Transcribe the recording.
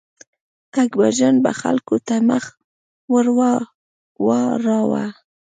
اکبرجان به خلکو ته مخ ور واړاوه.